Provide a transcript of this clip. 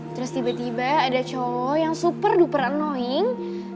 terus tiba tiba ada cowok yang super duper annoing